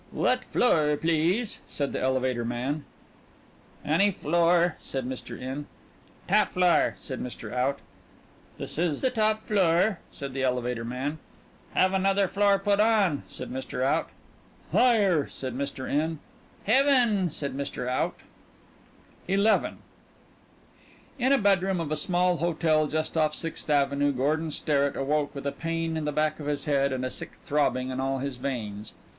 "What floor, please?" said the elevator man. "Any floor," said Mr. In. "Top floor," said Mr. Out. "This is the top floor," said the elevator man. "Have another floor put on," said Mr. Out. "Higher," said Mr. In. "Heaven," said Mr. Out. XI In a bedroom of a small hotel just off Sixth Avenue Gordon Sterrett awoke with a pain in the back of his head and a sick throbbing in all his veins.